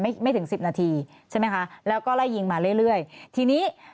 ไม่ไม่ถึงสิบนาทีใช่ไหมคะแล้วก็ไล่ยิงมาเรื่อยเรื่อยทีนี้